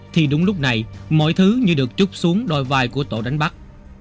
thì đúng lúc này mọi thứ như được chút xuống đôi vai của tổ đánh bắt